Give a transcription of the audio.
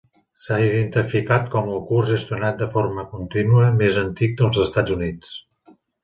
S'ha identificat com el curs gestionat de forma contínua més antic dels Estats Units.